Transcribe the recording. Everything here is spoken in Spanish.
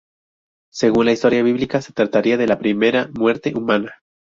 Según la historia bíblica se trataría de la primera muerte humana.